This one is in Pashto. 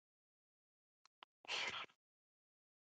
په افغانستان کې پسه شتون لري.